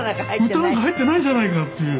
歌なんか入ってないじゃないかっていう。